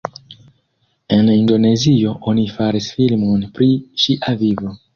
En Indonezio oni faris filmon pri ŝia vivo.